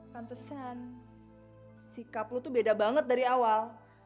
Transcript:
pantesan sikap lo tuh beda banget dari awal